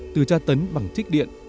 từ tra tấn bằng chích điện